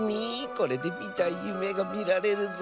これでみたいゆめがみられるぞ。